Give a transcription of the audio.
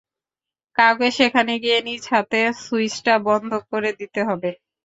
কাউকে সেখানে গিয়ে নিজ হাতে সুইচটা বন্ধ করে দিতে হবে।